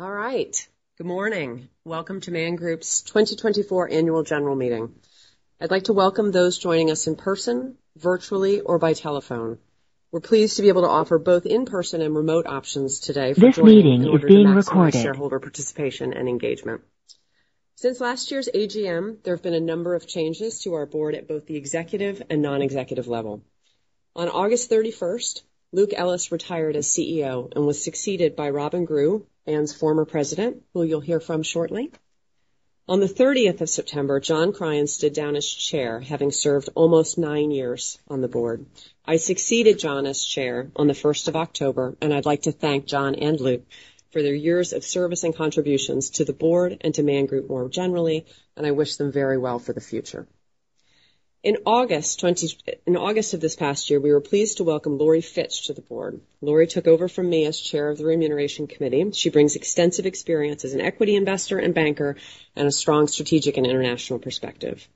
All right. Good morning. Welcome to Man Group's 2024 Annual General Meeting. I'd like to welcome those joining us in person, virtually, or by telephone. We're pleased to be able to offer both in-person and remote options today. This meeting is being recorded. For shareholder participation and engagement. Since last year's AGM, there have been a number of changes to our board at both the executive and non-executive level. On August 31st, Luke Ellis retired as CEO and was succeeded by Robyn Grew, Man's former President, who you'll hear from shortly. On the 30th of September, John Cryan stood down as chair, having served almost nine years on the board. I succeeded John as chair on the 1st of October, and I'd like to thank John and Luke for their years of service and contributions to the board and to Man Group more generally, and I wish them very well for the future. In August of this past year, we were pleased to welcome Laurie Fitch to the board. Laurie took over from me as chair of the Remuneration Committee. She brings extensive experience as an equity investor and banker and a strong strategic and international perspective.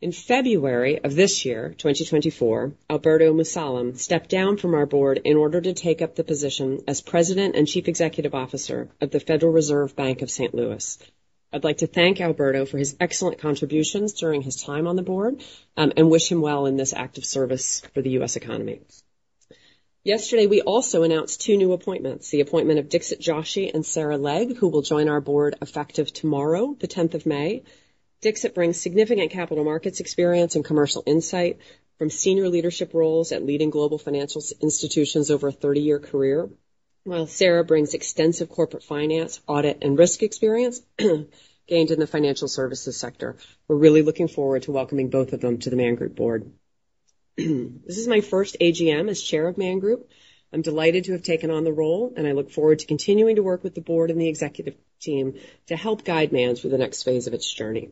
In February of this year, 2024, Alberto Musalem stepped down from our board in order to take up the position as President and Chief Executive Officer of the Federal Reserve Bank of St. Louis. I'd like to thank Alberto for his excellent contributions during his time on the board, and wish him well in this act of service for the U.S. economy. Yesterday, we also announced two new appointments, the appointment of Dixit Joshi and Sarah Legg, who will join our board effective tomorrow, the 10th of May. Dixit brings significant capital markets experience and commercial insight from senior leadership roles at leading global financial institutions over a 30-year career, while Sarah brings extensive corporate finance, audit, and risk experience, gained in the financial services sector. We're really looking forward to welcoming both of them to the Man Group board. This is my first AGM as Chair of Man Group. I'm delighted to have taken on the role, and I look forward to continuing to work with the board and the executive team to help guide Man through the next phase of its journey.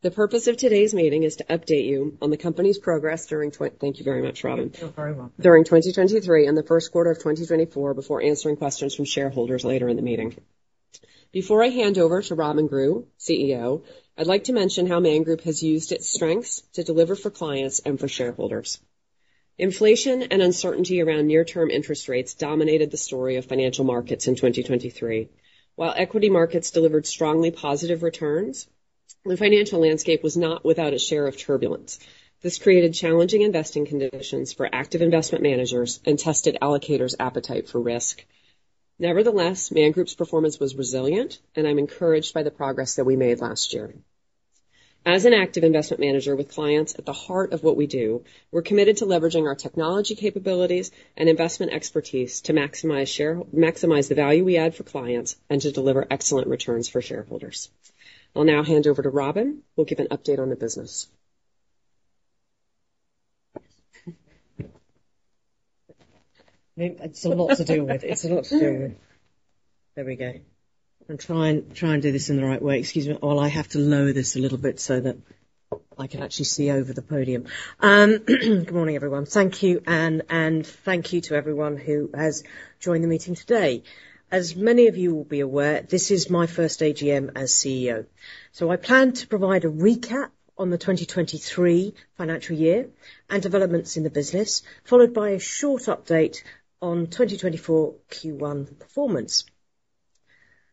The purpose of today's meeting is to update you on the company's progress during—thank you very much, Robyn. You're very welcome. During 2023 and the first quarter of 2024, before answering questions from shareholders later in the meeting. Before I hand over to Robyn Grew, CEO, I'd like to mention how Man Group has used its strengths to deliver for clients and for shareholders. Inflation and uncertainty around near-term interest rates dominated the story of financial markets in 2023. While equity markets delivered strongly positive returns, the financial landscape was not without its share of turbulence. This created challenging investing conditions for active investment managers and tested allocators' appetite for risk. Nevertheless, Man Group's performance was resilient, and I'm encouraged by the progress that we made last year. As an active investment manager with clients at the heart of what we do, we're committed to leveraging our technology capabilities and investment expertise to maximize the value we add for clients and to deliver excellent returns for shareholders. I'll now hand over to Robyn, who'll give an update on the business. It's a lot to deal with. It's a lot to deal with. There we go. I'll try and, try and do this in the right way. Excuse me, while I have to lower this a little bit so that I can actually see over the podium. Good morning, everyone. Thank you, Anne, and thank you to everyone who has joined the meeting today. As many of you will be aware, this is my first AGM as CEO, so I plan to provide a recap on the 2023 financial year and developments in the business, followed by a short update on 2024 Q1 performance.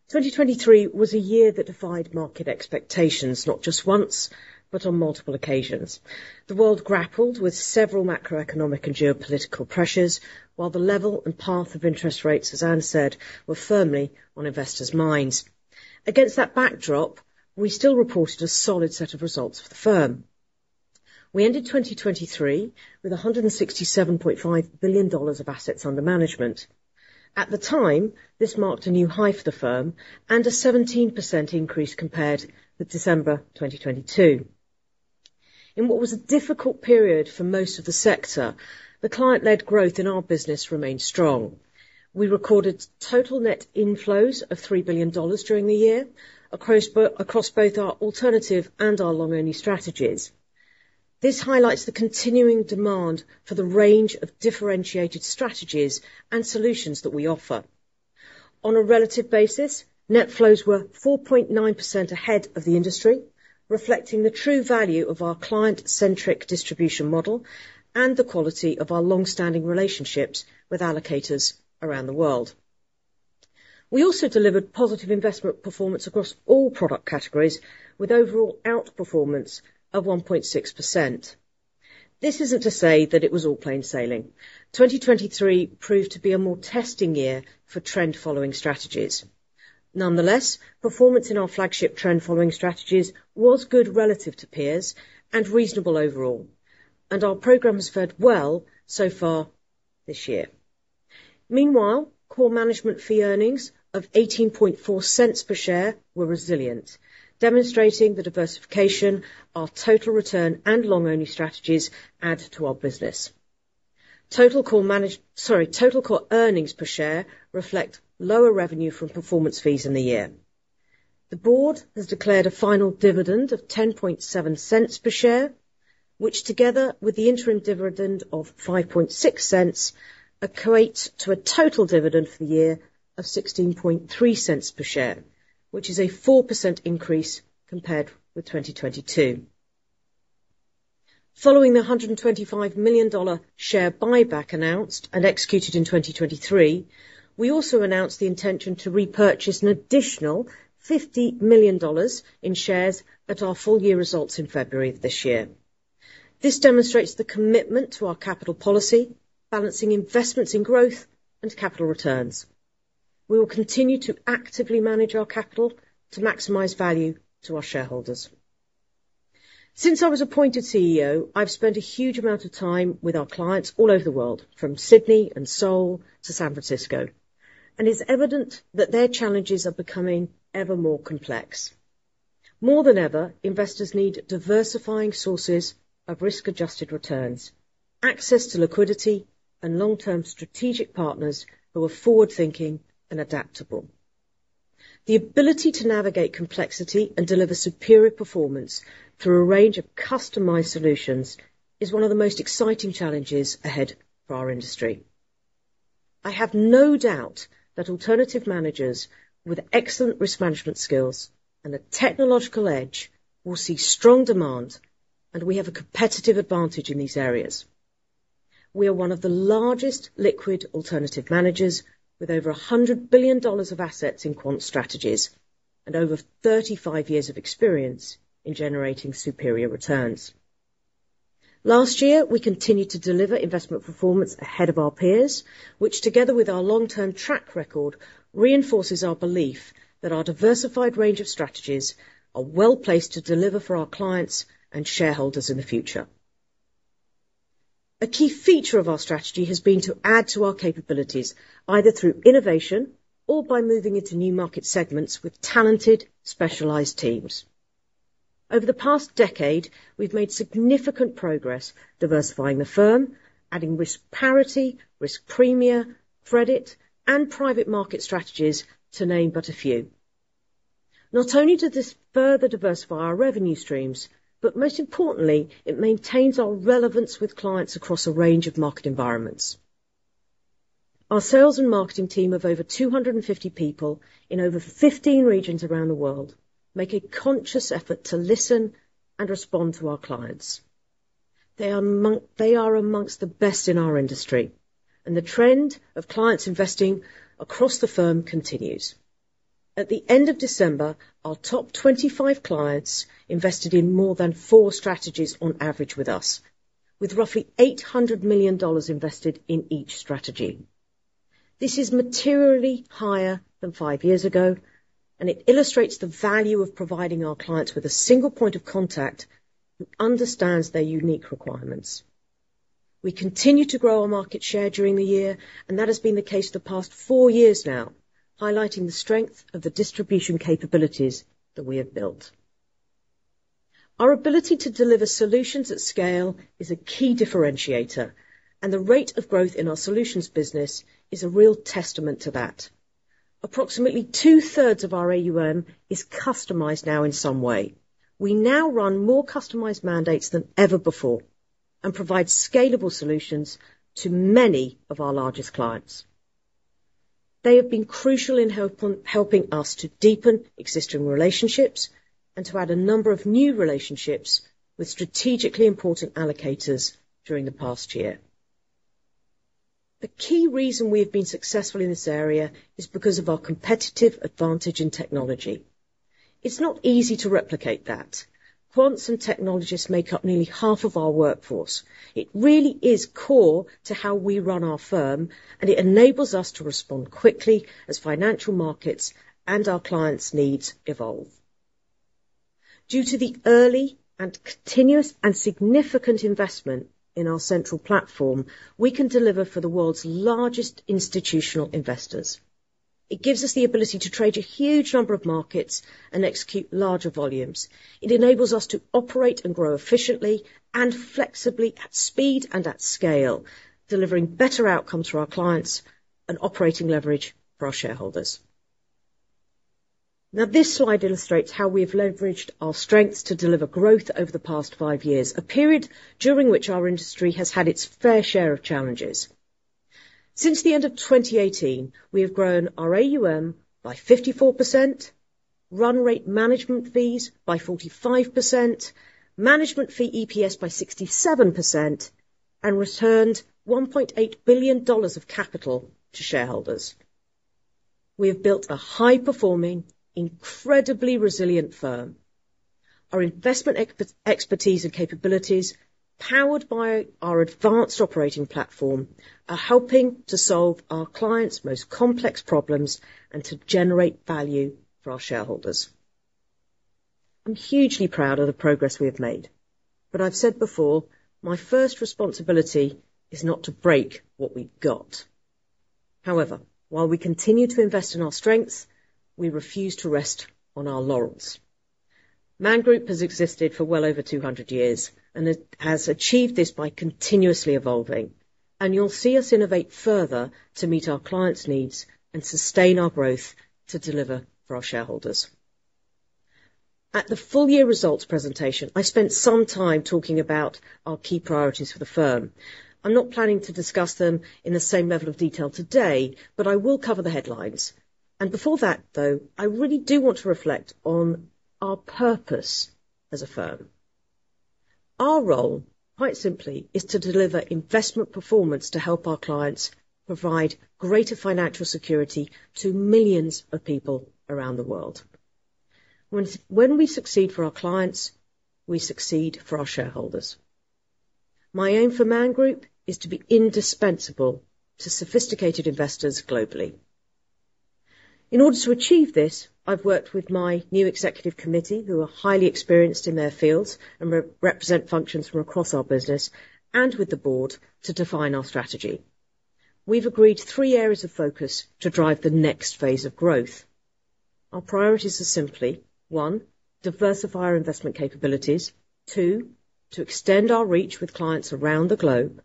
2023 was a year that defied market expectations, not just once, but on multiple occasions. The world grappled with several macroeconomic and geopolitical pressures, while the level and path of interest rates, as Anne said, were firmly on investors' minds. Against that backdrop, we still reported a solid set of results for the firm. We ended 2023 with $167.5 billion of assets under management. At the time, this marked a new high for the firm and a 17% increase compared with December 2022. In what was a difficult period for most of the sector, the client-led growth in our business remained strong. We recorded total net inflows of $3 billion during the year, across both our alternative and our long-only strategies. This highlights the continuing demand for the range of differentiated strategies and solutions that we offer. On a relative basis, net flows were 4.9% ahead of the industry, reflecting the true value of our client-centric distribution model and the quality of our long-standing relationships with allocators around the world. We also delivered positive investment performance across all product categories, with overall outperformance of 1.6%. This isn't to say that it was all plain sailing. 2023 proved to be a more testing year for trend-following strategies. Nonetheless, performance in our flagship trend-following strategies was good relative to peers and reasonable overall, and our program has fared well so far this year. Meanwhile, core management fee earnings of $0.184 per share were resilient, demonstrating the diversification our total return and long-only strategies add to our business. Total core earnings per share reflect lower revenue from performance fees in the year. The board has declared a final dividend of $0.107 per share, which together with the interim dividend of $0.056, equates to a total dividend for the year of $0.163 per share, which is a 4% increase compared with 2022. Following the $125 million share buyback announced and executed in 2023, we also announced the intention to repurchase an additional $50 million in shares at our full year results in February of this year. This demonstrates the commitment to our capital policy, balancing investments in growth and capital returns. We will continue to actively manage our capital to maximize value to our shareholders. Since I was appointed CEO, I've spent a huge amount of time with our clients all over the world, from Sydney and Seoul to San Francisco, and it's evident that their challenges are becoming ever more complex. More than ever, investors need diversifying sources of risk-adjusted returns, access to liquidity, and long-term strategic partners who are forward-thinking and adaptable. The ability to navigate complexity and deliver superior performance through a range of customized solutions is one of the most exciting challenges ahead for our industry. I have no doubt that alternative managers with excellent risk management skills and a technological edge will see strong demand, and we have a competitive advantage in these areas. We are one of the largest liquid alternative managers, with over $100 billion of assets in quant strategies and over 35 years of experience in generating superior returns. Last year, we continued to deliver investment performance ahead of our peers, which, together with our long-term track record, reinforces our belief that our diversified range of strategies are well-placed to deliver for our clients and shareholders in the future. A key feature of our strategy has been to add to our capabilities, either through innovation or by moving into new market segments with talented, specialized teams. Over the past decade, we've made significant progress diversifying the firm, adding risk parity, risk premia, credit, and private market strategies, to name but a few. Not only did this further diversify our revenue streams, but most importantly, it maintains our relevance with clients across a range of market environments. Our sales and marketing team of over 250 people in over 15 regions around the world make a conscious effort to listen and respond to our clients. They are among the best in our industry, and the trend of clients investing across the firm continues. At the end of December, our top 25 clients invested in more than four strategies on average with us, with roughly $800 million invested in each strategy. This is materially higher than five years ago, and it illustrates the value of providing our clients with a single point of contact who understands their unique requirements. We continue to grow our market share during the year, and that has been the case for the past four years now, highlighting the strength of the distribution capabilities that we have built. Our ability to deliver solutions at scale is a key differentiator, and the rate of growth in our solutions business is a real testament to that. Approximately 2/3 of our AUM is customized now in some way. We now run more customized mandates than ever before and provide scalable solutions to many of our largest clients. They have been crucial in helping us to deepen existing relationships and to add a number of new relationships with strategically important allocators during the past year. The key reason we have been successful in this area is because of our competitive advantage in technology. It's not easy to replicate that. Quants and technologists make up nearly half of our workforce. It really is core to how we run our firm, and it enables us to respond quickly as financial markets and our clients' needs evolve. Due to the early and continuous and significant investment in our central platform, we can deliver for the world's largest institutional investors. It gives us the ability to trade a huge number of markets and execute larger volumes. It enables us to operate and grow efficiently and flexibly, at speed and at scale, delivering better outcomes for our clients and operating leverage for our shareholders. Now, this slide illustrates how we have leveraged our strengths to deliver growth over the past five years, a period during which our industry has had its fair share of challenges. Since the end of 2018, we have grown our AUM by 54%, run rate management fees by 45%, management fee EPS by 67%, and returned $1.8 billion of capital to shareholders. We have built a high-performing, incredibly resilient firm. Our investment expertise and capabilities, powered by our advanced operating platform, are helping to solve our clients' most complex problems and to generate value for our shareholders. I'm hugely proud of the progress we have made, but I've said before, my first responsibility is not to break what we've got. However, while we continue to invest in our strengths, we refuse to rest on our laurels. Man Group has existed for well over 200 years, and it has achieved this by continuously evolving, and you'll see us innovate further to meet our clients' needs and sustain our growth to deliver for our shareholders. At the full year results presentation, I spent some time talking about our key priorities for the firm. I'm not planning to discuss them in the same level of detail today, but I will cover the headlines.... And before that, though, I really do want to reflect on our purpose as a firm. Our role, quite simply, is to deliver investment performance to help our clients provide greater financial security to millions of people around the world. When we succeed for our clients, we succeed for our shareholders. My aim for Man Group is to be indispensable to sophisticated investors globally. In order to achieve this, I've worked with my new executive committee, who are highly experienced in their fields and represent functions from across our business, and with the board to define our strategy. We've agreed three areas of focus to drive the next phase of growth. Our priorities are simply, one, diversify our investment capabilities. Two, to extend our reach with clients around the globe.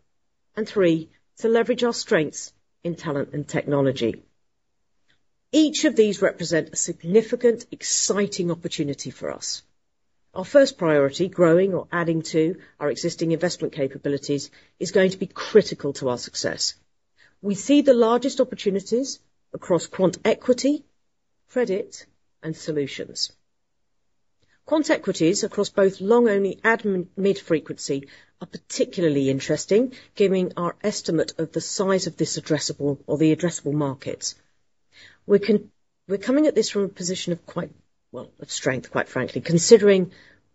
And three, to leverage our strengths in talent and technology. Each of these represent a significant, exciting opportunity for us. Our first priority, growing or adding to our existing investment capabilities, is going to be critical to our success. We see the largest opportunities across quant equity, credit, and solutions. Quant equities, across both long-only and mid-frequency, are particularly interesting, given our estimate of the size of this addressable markets. We're coming at this from a position of quite, well, of strength, quite frankly, considering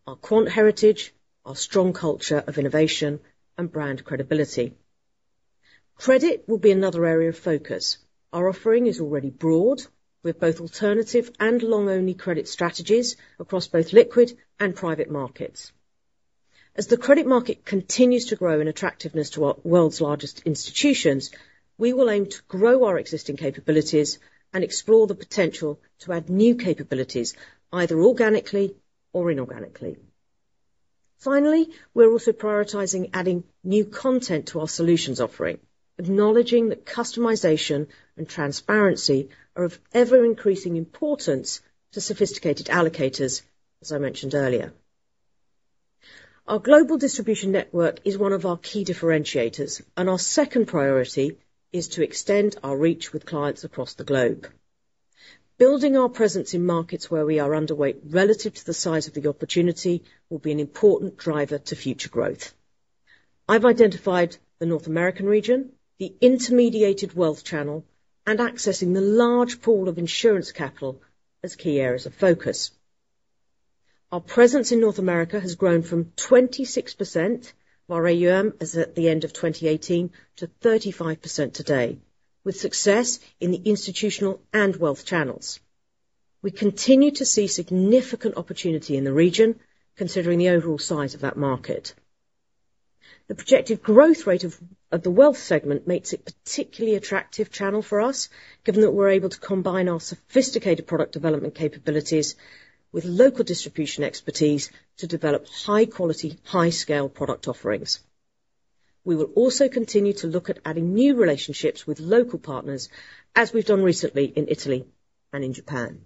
our quant heritage, our strong culture of innovation, and brand credibility. Credit will be another area of focus. Our offering is already broad, with both alternative and long-only credit strategies across both liquid and private markets. As the credit market continues to grow in attractiveness to the world's largest institutions, we will aim to grow our existing capabilities and explore the potential to add new capabilities, either organically or inorganically. Finally, we're also prioritizing adding new content to our solutions offering, acknowledging that customization and transparency are of ever-increasing importance to sophisticated allocators, as I mentioned earlier. Our global distribution network is one of our key differentiators, and our second priority is to extend our reach with clients across the globe. Building our presence in markets where we are underweight relative to the size of the opportunity will be an important driver to future growth. I've identified the North American region, the intermediated wealth channel, and accessing the large pool of insurance capital as key areas of focus. Our presence in North America has grown from 26% of our AUM as at the end of 2018 to 35% today, with success in the institutional and wealth channels. We continue to see significant opportunity in the region, considering the overall size of that market. The projected growth rate of the wealth segment makes it particularly attractive channel for us, given that we're able to combine our sophisticated product development capabilities with local distribution expertise to develop high-quality, high-scale product offerings. We will also continue to look at adding new relationships with local partners, as we've done recently in Italy and in Japan.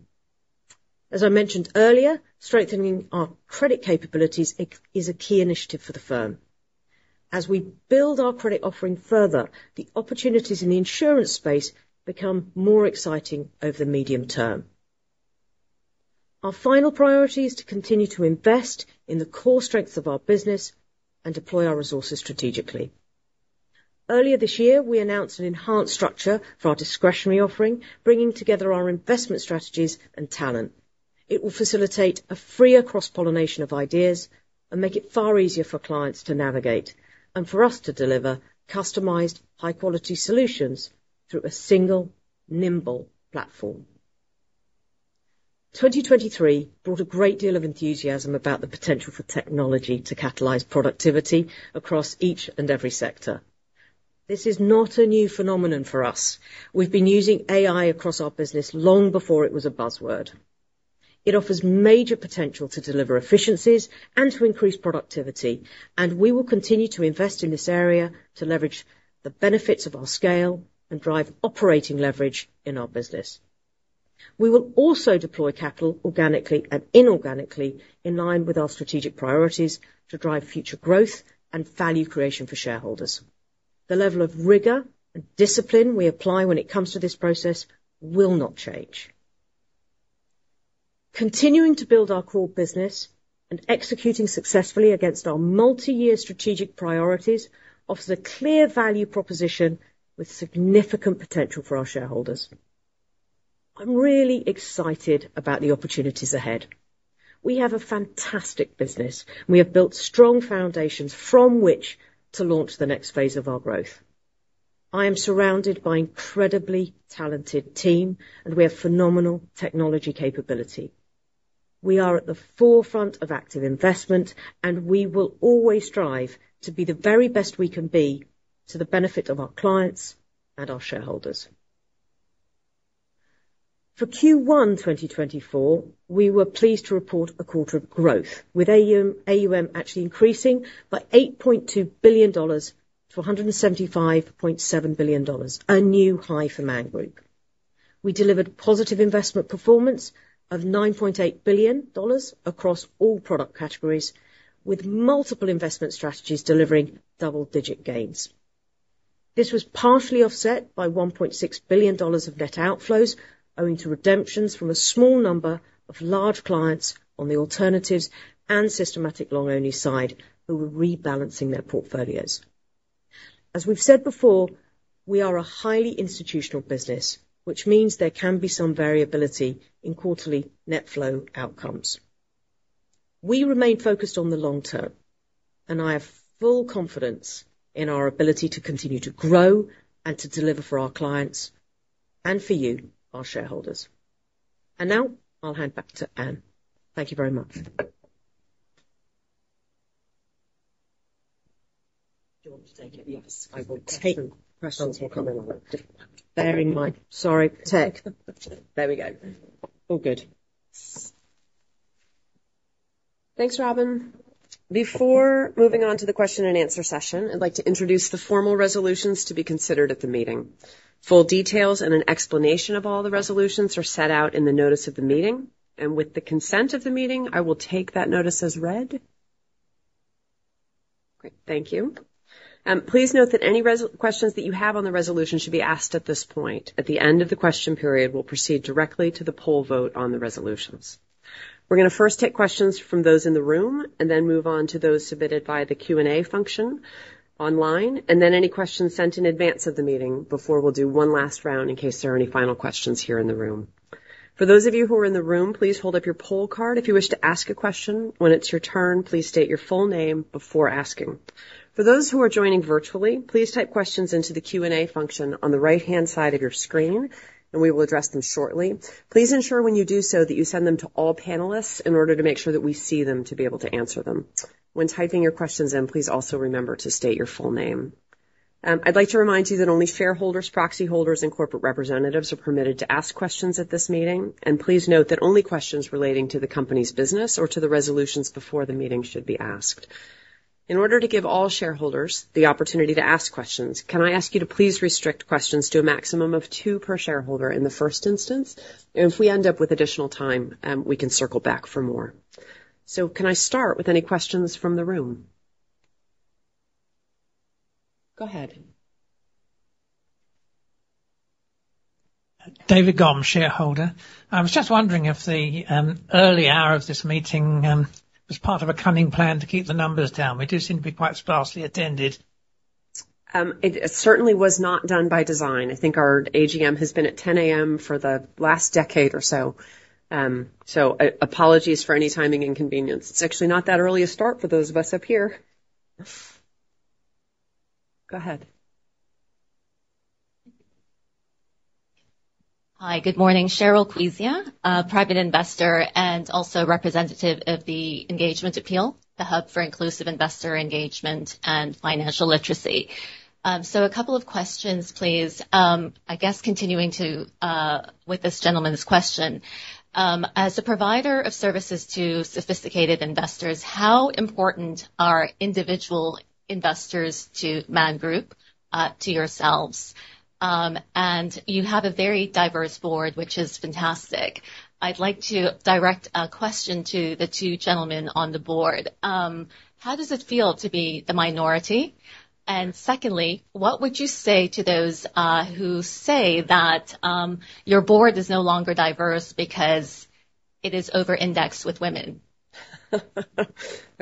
As I mentioned earlier, strengthening our credit capabilities is a key initiative for the firm. As we build our credit offering further, the opportunities in the insurance space become more exciting over the medium term. Our final priority is to continue to invest in the core strengths of our business and deploy our resources strategically. Earlier this year, we announced an enhanced structure for our discretionary offering, bringing together our investment strategies and talent. It will facilitate a freer cross-pollination of ideas and make it far easier for clients to navigate, and for us to deliver customized, high-quality solutions through a single, nimble platform. 2023 brought a great deal of enthusiasm about the potential for technology to catalyze productivity across each and every sector. This is not a new phenomenon for us. We've been using AI across our business long before it was a buzzword. It offers major potential to deliver efficiencies and to increase productivity, and we will continue to invest in this area to leverage the benefits of our scale and drive operating leverage in our business. We will also deploy capital organically and inorganically, in line with our strategic priorities to drive future growth and value creation for shareholders. The level of rigor and discipline we apply when it comes to this process will not change. Continuing to build our core business and executing successfully against our multi-year strategic priorities offers a clear value proposition with significant potential for our shareholders. I'm really excited about the opportunities ahead. We have a fantastic business, and we have built strong foundations from which to launch the next phase of our growth. I am surrounded by incredibly talented team, and we have phenomenal technology capability. We are at the forefront of active investment, and we will always strive to be the very best we can be to the benefit of our clients and our shareholders. For Q1 2024, we were pleased to report a quarter of growth, with AUM, AUM actually increasing by $8.2 billion to $175.7 billion, a new high for Man Group. We delivered positive investment performance of $9.8 billion across all product categories, with multiple investment strategies delivering double-digit gains. This was partially offset by $1.6 billion of net outflows, owing to redemptions from a small number of large clients on the alternatives and systematic long-only side, who were rebalancing their portfolios. As we've said before, we are a highly institutional business, which means there can be some variability in quarterly net flow outcomes. We remain focused on the long term, and I have full confidence in our ability to continue to grow and to deliver for our clients and for you, our shareholders. And now I'll hand back to Anne. Thank you very much. Do you want to take it? Yes, I will take questions or comments. Sorry, tech. There we go. All good. Thanks, Robyn. Before moving on to the question and answer session, I'd like to introduce the formal resolutions to be considered at the meeting. Full details and an explanation of all the resolutions are set out in the notice of the meeting, and with the consent of the meeting, I will take that notice as read. Great, thank you. Please note that any questions that you have on the resolution should be asked at this point. At the end of the question period, we'll proceed directly to the poll vote on the resolutions. We're gonna first take questions from those in the room and then move on to those submitted via the Q&A function online, and then any questions sent in advance of the meeting before we'll do one last round in case there are any final questions here in the room. For those of you who are in the room, please hold up your poll card if you wish to ask a question. When it's your turn, please state your full name before asking. For those who are joining virtually, please type questions into the Q&A function on the right-hand side of your screen, and we will address them shortly. Please ensure when you do so, that you send them to all panelists in order to make sure that we see them to be able to answer them. When typing your questions in, please also remember to state your full name. I'd like to remind you that only shareholders, proxy holders, and corporate representatives are permitted to ask questions at this meeting. Please note that only questions relating to the company's business or to the resolutions before the meeting should be asked. In order to give all shareholders the opportunity to ask questions, can I ask you to please restrict questions to a maximum of two per shareholder in the first instance? If we end up with additional time, we can circle back for more. Can I start with any questions from the room? Go ahead. David Gomme, shareholder. I was just wondering if the early hour of this meeting was part of a cunning plan to keep the numbers down. We do seem to be quite sparsely attended. It certainly was not done by design. I think our AGM has been at 10 A.M. for the last decade or so. Apologies for any timing inconvenience. It's actually not that early a start for those of us up here. Go ahead. Hi, good morning, Sheryl Cuisia, Private Investor and also representative of The Engagement Appeal, the hub for inclusive investor engagement and financial literacy. So a couple of questions, please. I guess continuing to with this gentleman's question, as a provider of services to sophisticated investors, how important are individual investors to Man Group, to yourselves? And you have a very diverse board, which is fantastic. I'd like to direct a question to the two gentlemen on the board. How does it feel to be the minority? And secondly, what would you say to those who say that your board is no longer diverse because it is over-indexed with women?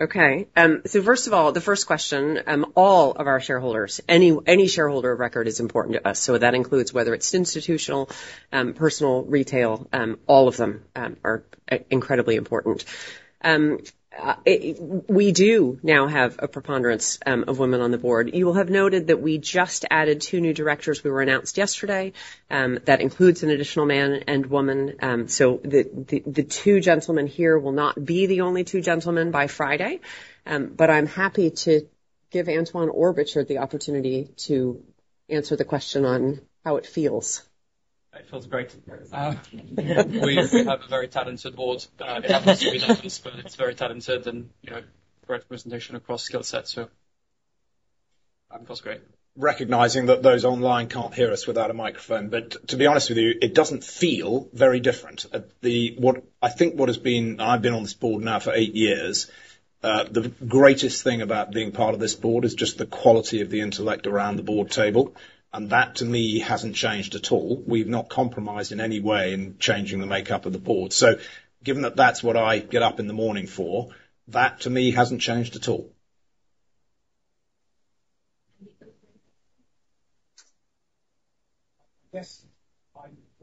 Okay. So first of all, the first question, all of our shareholders, any, any shareholder of record is important to us, so that includes whether it's institutional, personal, retail, all of them, are incredibly important. We do now have a preponderance of women on the board. You will have noted that we just added two new directors. We were announced yesterday, that includes an additional man and woman. So the two gentlemen here will not be the only two gentlemen by Friday, but I'm happy to give Antoine Forterre the opportunity to answer the question on how it feels. It feels great. We have a very talented board. It happens to be diverse, but it's very talented and, you know, great representation across skill sets, so, of course, great. Recognizing that those online can't hear us without a microphone. But to be honest with you, it doesn't feel very different. I think what has been... I've been on this board now for eight years. The greatest thing about being part of this board is just the quality of the intellect around the board table, and that, to me, hasn't changed at all. We've not compromised in any way in changing the makeup of the board. So given that that's what I get up in the morning for, that, to me, hasn't changed at all. Yes. Yes,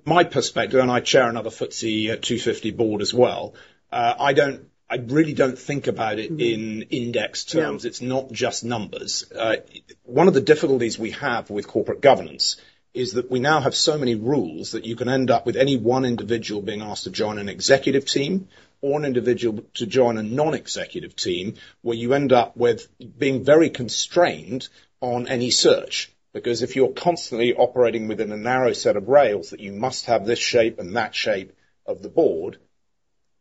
my perspective, and I chair another FTSE 250 board as well, I don't- I really don't think about it in index terms. Yeah. It's not just numbers. One of the difficulties we have with corporate governance is that we now have so many rules that you can end up with any one individual being asked to join an executive team or an individual to join a non-executive team, where you end up with being very constrained on any search. Because if you're constantly operating within a narrow set of rails, that you must have this shape and that shape of the board,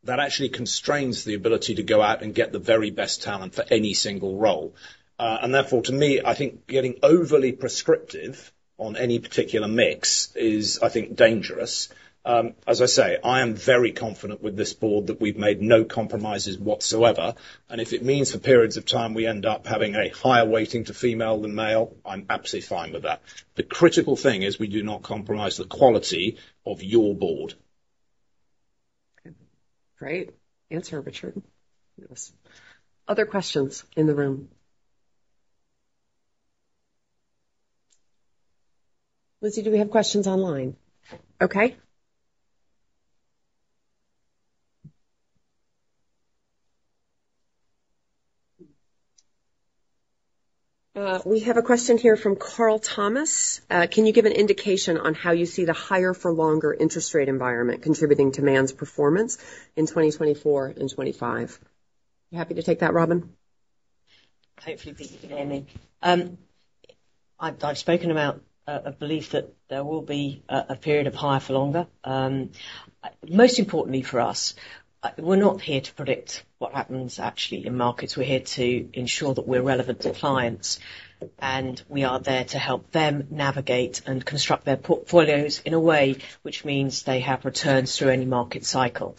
that actually constrains the ability to go out and get the very best talent for any single role. And therefore, to me, I think getting overly prescriptive on any particular mix is, I think, dangerous. As I say, I am very confident with this board that we've made no compromises whatsoever, and if it means for periods of time, we end up having a higher weighting to female than male, I'm absolutely fine with that. The critical thing is we do not compromise the quality of your board. ... Great answer, Richard. Other questions in the room? Lucy, do we have questions online? Okay. We have a question here from Carl Thomas. "Can you give an indication on how you see the higher for longer interest rate environment contributing to Man's performance in 2024 and 2025?" You happy to take that, Robyn? Hopefully, you can hear me. I've spoken about a belief that there will be a period of higher for longer. Most importantly for us, we're not here to predict what happens actually in markets. We're here to ensure that we're relevant to clients, and we are there to help them navigate and construct their portfolios in a way which means they have returns through any market cycle.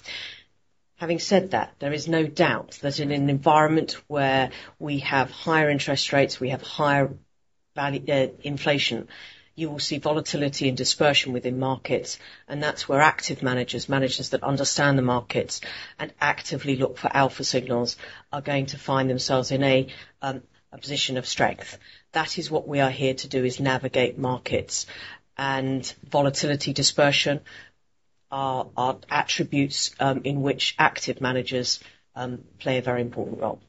Having said that, there is no doubt that in an environment where we have higher interest rates, we have higher value inflation, you will see volatility and dispersion within markets, and that's where active managers, managers that understand the markets and actively look for alpha signals, are going to find themselves in a position of strength. That is what we are here to do, is navigate markets. Volatility dispersion are attributes in which active managers play a very important role.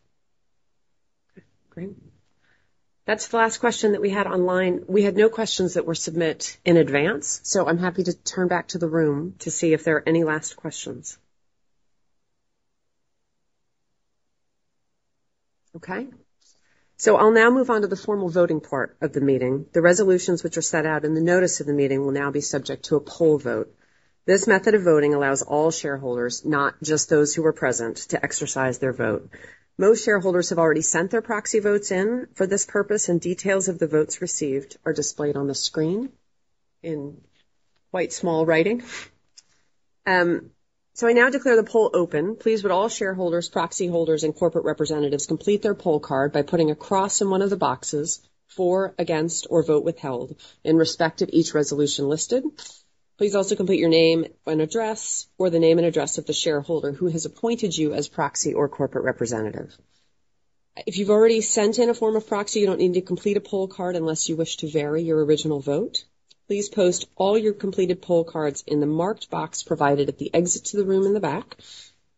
Okay, great. That's the last question that we had online. We had no questions that were submitted in advance, so I'm happy to turn back to the room to see if there are any last questions. Okay, so I'll now move on to the formal voting part of the meeting. The resolutions, which are set out in the notice of the meeting, will now be subject to a poll vote. This method of voting allows all shareholders, not just those who are present, to exercise their vote. Most shareholders have already sent their proxy votes in for this purpose, and details of the votes received are displayed on the screen in quite small writing. So I now declare the poll open. Please, would all shareholders, proxy holders, and corporate representatives complete their poll card by putting a cross in one of the boxes, for, against, or vote withheld in respect of each resolution listed. Please also complete your name and address, or the name and address of the shareholder who has appointed you as proxy or corporate representative. If you've already sent in a form of proxy, you don't need to complete a poll card unless you wish to vary your original vote. Please post all your completed poll cards in the marked box provided at the exit to the room in the back.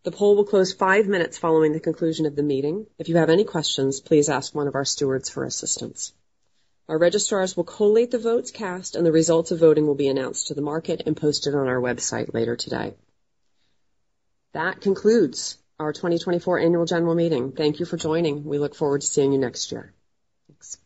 The poll will close five minutes following the conclusion of the meeting. If you have any questions, please ask one of our stewards for assistance. Our registrars will collate the votes cast, and the results of voting will be announced to the market and posted on our website later today. That concludes our 2024 Annual General Meeting. Thank you for joining. We look forward to seeing you next year. Thanks.